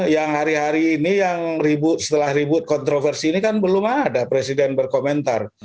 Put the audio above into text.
yang hari hari ini yang ribut setelah ribut kontroversi ini kan belum ada presiden berkomentar